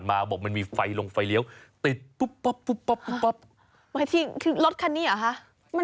มันมีไฟร้องไฟเลี้ยวติดกปับ